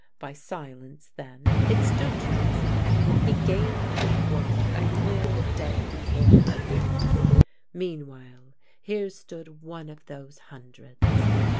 By silence then it stood to reason he gained from woe a clear day for hundreds. Meanwhile here stood one of those hundreds.